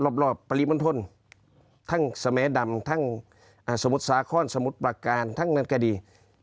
เป็นเยื่อของกลุ่มคนมิสี